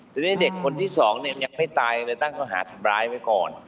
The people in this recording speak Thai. ทีนี้เด็กคนที่สองเนี่ยยังไม่ตายเลยตั้งข้อหาทำร้ายไว้ก่อน